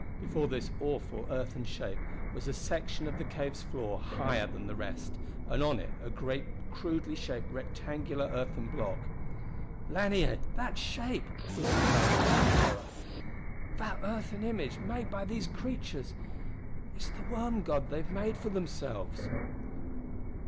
Before this awful earthen shape was a section of the cave's floor higher than the rest, and on it a great crudely shaped rectangular earthen block. "Lanier that shape!" whispered Randall in his horror. "That earthen image, made by these creatures it's the worm god they've made for themselves!"